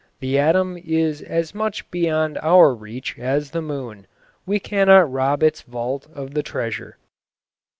The atom is as much beyond our reach as the moon. We cannot rob its vault of the treasure.